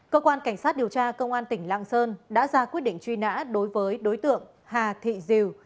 cơ quan cảnh sát điều tra công an tỉnh lạng sơn đã ra quyết định truy nã đối với đối tượng hà thị diều